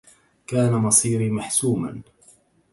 كان مصيري محسوما.